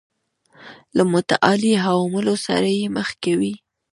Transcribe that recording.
له متعالي عوالمو سره یې مخ کوي.